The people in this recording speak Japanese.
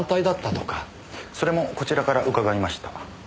それもこちらから伺いました。